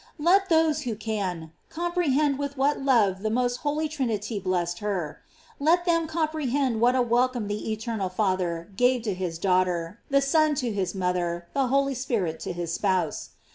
Let those who can, comprehend with what love the most holy Trinity blessed her. Let them comprehend what a welcome the eternal Father gave to his daughter, the Son to his mother, the Holy Spirit to his spouse.